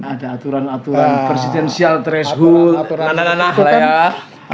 ada aturan aturan presidensial threshold nanak nanak lah ya